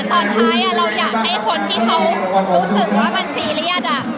ตอนท้ายเราอยากให้คนที่เขารู้สึกว่ามันซีเรียส